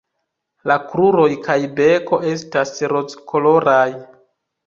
La kruroj kaj beko estas rozkoloraj.